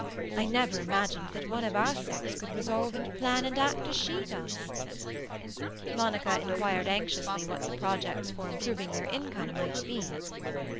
I never imagined that one of our sex could resolve and plan and act as she does!" Monica inquired anxiously what the projects for improving their income might be.